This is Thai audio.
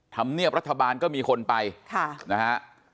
ธรรมเนียบรัฐบาลก็มีคนไปนะฮะ